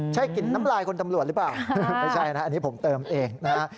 ใช่กลิ่นน้ำลายคนตำรวจหรือเปล่าไม่ใช่นะอันนี้ผมเติมเองนะฮะ